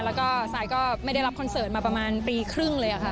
แล้วก็ซายก็ไม่ได้รับคอนเสิร์ตมาประมาณปีครึ่งเลยค่ะ